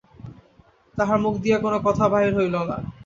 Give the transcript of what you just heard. তাহার মুখ দিয়া কোনো কথা বাহির হইল না।